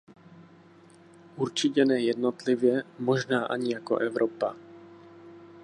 Určitě ne jednotlivě; možná ani jako Evropa.